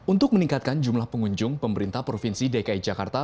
untuk meningkatkan jumlah pengunjung pemerintah provinsi dki jakarta